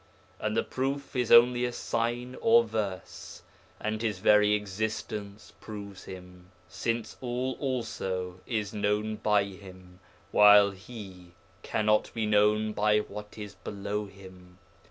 And the Proof is only a sign [or verse], and His very Existence proves Him, since all also is known by Him, while He cannot be known by what is below Him.